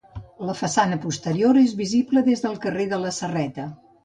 La façana posterior és visible des del carrer de la Serreta.